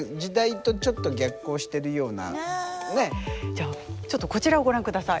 じゃあちょっとこちらをご覧ください。